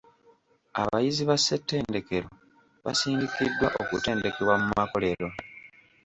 Abayizi ba ssettendekero basindikiddwa okutendekebwa mu makolero.